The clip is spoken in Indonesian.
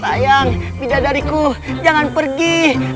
sayang bidadariku jangan pergi